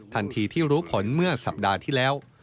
ทันทีที่รู้ผลเมื่อสัปดาห์ที่แล้ว